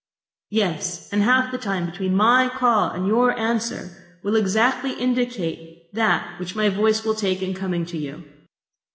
"Yes; and half the time between my call and your answer will exactly indicate that which my voice will take in coming to you."